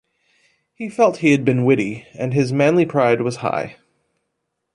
He felt he had been witty, and his manly pride was high.